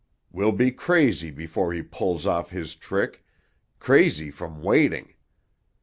We'll be crazy before he pulls off his trick—crazy from waiting!